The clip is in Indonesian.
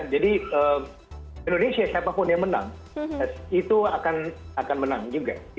jadi indonesia siapapun yang menang itu akan menang juga